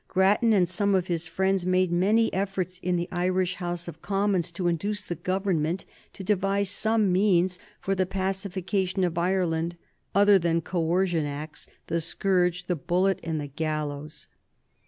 Grattan and some of his friends made many efforts in the Irish House of Commons to induce the Government to devise some means for the pacification of Ireland other than Coercion Acts, the scourge, the bullet, and the gallows.